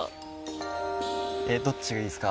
どっちがいいですか？